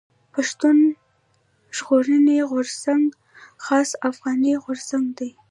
پښتون ژغورني غورځنګ خالص افغاني غورځنګ دی.